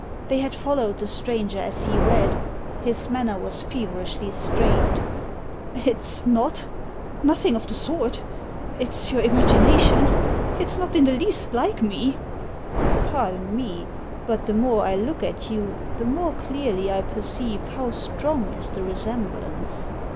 They had followed the stranger as he read. His manner was feverishly strained. " It's not Nothing of the sort It's your imagi nation. It's not in the least like me." •* Pardon me, but the more I look at you the more clearly I perceive how strong is the resemblance.